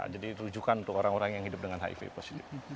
jadi rujukan untuk orang orang yang hidup dengan hiv positif